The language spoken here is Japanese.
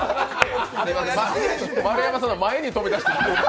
丸山さんのは前に飛び出した。